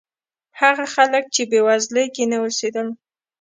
هغه خلک چې بېوزلۍ کې نه اوسېدل.